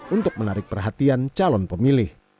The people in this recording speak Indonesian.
untuk menarik perhatian calon pemilih